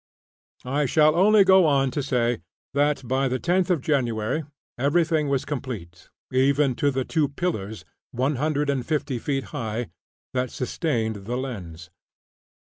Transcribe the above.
I shall only go on to say that, by the 10th of January, everything was complete, even to the two pillars "one hundred and fifty feet high!" that sustained the lens.